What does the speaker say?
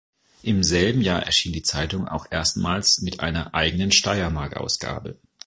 Im selben Jahr erschien die Zeitung auch erstmals mit einer eigenen Steiermark-Ausgabe.